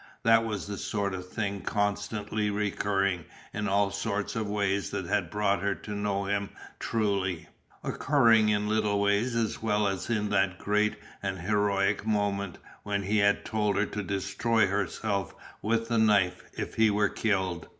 That was the sort of thing constantly recurring in all sorts of ways that had brought her to know him truly, occurring in little ways as well as in that great and heroic moment when he had told her to destroy herself with the knife if he were killed.